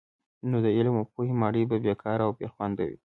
نو د علم او پوهي ماڼۍ به بې کاره او بې خونده وي.